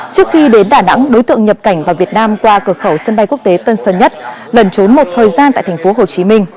trước khi đến đà nẵng đối tượng nhập cảnh vào việt nam qua cửa khẩu sân bay quốc tế tân sơn nhất lẩn trốn một thời gian tại thành phố hồ chí minh